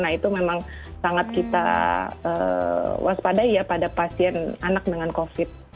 nah itu memang sangat kita waspadai ya pada pasien anak dengan covid